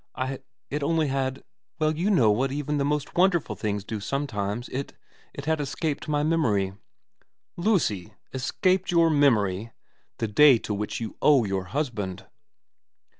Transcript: It only had well, you know what even the most wonderful things do sometimes it it had escaped my memory.' ' Lucy ! Escaped your memory ? The day to which you owe your husband